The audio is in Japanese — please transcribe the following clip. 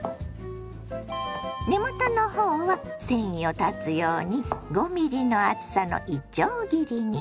根元の方は繊維を断つように５ｍｍの厚さのいちょう切りに。